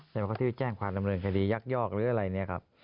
ใช่ไหมคะที่แจ้งความดำเนินคดียักยอกหรืออะไรนี้ครับ